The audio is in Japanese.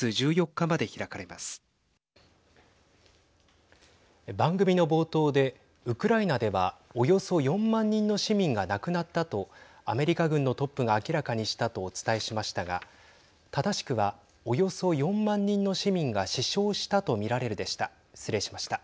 番組の冒頭でウクライナではおよそ４万人の市民が亡くなったとアメリカ軍のトップが明らかにしたとお伝えしましたが正しくは、およそ４万人の市民が死傷したと見られるでした。